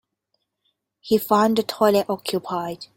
He found the toilet occupied.